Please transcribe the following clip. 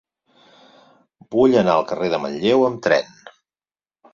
Vull anar al carrer de Manlleu amb tren.